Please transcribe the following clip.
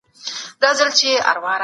فایبر د کولمو فعالیت ښه کوي.